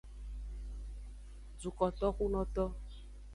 Dukotoxunoto.